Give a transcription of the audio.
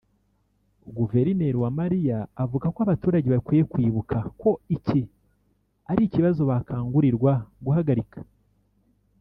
Guverineri Uwamariya avuga ko abaturage bakwiye kwibuka ko iki ari ikibazo bakangurirwa guhagarika